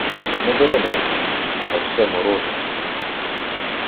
Не бере мене тепло, а все — морозом сипле!